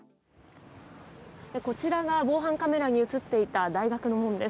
こちらが防犯カメラに映っていた大学の門です。